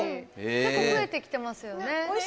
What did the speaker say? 結構増えてきてますよね。